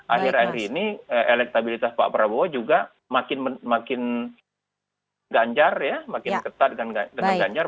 akhir akhir ini elektabilitas pak prabowo juga makin ganjar ya makin ketat dengan ganjar